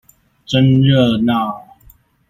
真熱鬧